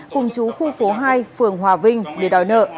cùng chú khu phố hai phường hòa vinh để đòi nợ